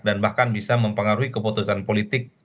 dan bahkan bisa mempengaruhi keputusan politik pemerintah